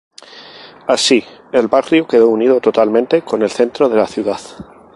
Así, el barrio quedó unido totalmente con el centro de la ciudad.